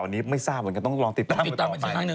อันนี้ไม่ทราบเหมือนกันต้องลองติดตามกันต่อไป